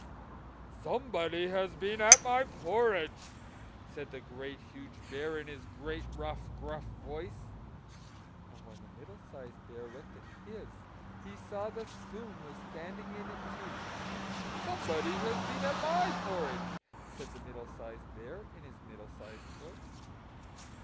"SOMEBODY HAS BEEN AT MY PORRIDGE!" said the Great Huge Bear, in his great, rough, gruff voice. And when the Middle sized Bear looked at his, he saw that the spoon was standing in it too. "SOMEBODY HAS BEEN AT MY PORRIDGE!" said the Middle sized Bear, in his middle sized voice.